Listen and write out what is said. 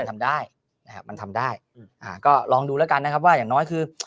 มันทำได้นะครับมันทำได้อืมอ่าก็ลองดูแล้วกันนะครับว่าอย่างน้อยคือ